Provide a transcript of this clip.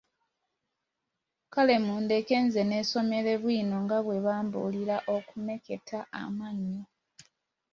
kale mundeke nze neesomere bwino nga bwe mbabuulira okumeketa amannyo.